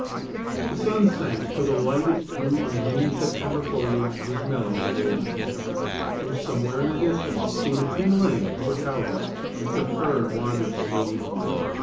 The sun sank till the light it threw on the green September foliage was mellow and golden. From somewhere in the distance came the ting a ling of a cow bell, as the herd wandered slowly home.